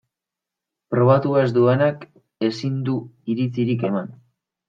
Probatu ez duenak ezin du iritzirik eman.